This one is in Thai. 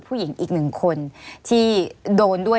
ผู้หญิงอีกหนึ่งคนที่โดนด้วย